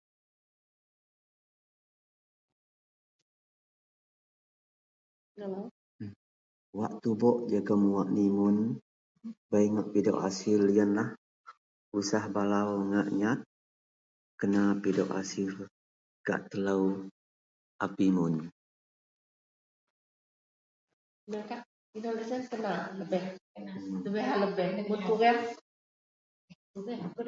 wak tubouk jegum wak nimun, bei ngak pidok hasil ienlah usah balau ngak nyat, kena pidok hasil gak telou a pimun...